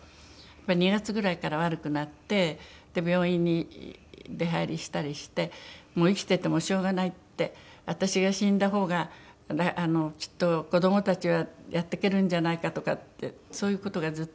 ２月ぐらいから悪くなって病院に出入りしたりしてもう生きててもしょうがないって私が死んだ方がきっと子どもたちはやっていけるんじゃないかとかってそういう事がずっと。